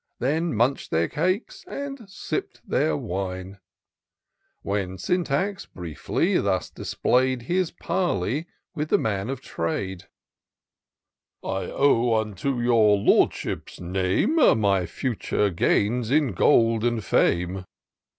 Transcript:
Then munch'd their cakes, and sipp'd their wine When Syntax, briefly, thus display 'd His parley with the man of trade. IN SEARCH OF THE PICTURESQUE. 279 " I owe unto your Lordship's name My future gains in gold and fame.